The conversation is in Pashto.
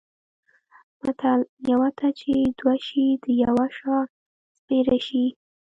متل: یوه ته چې دوه شي د یوه شا سپېره شي.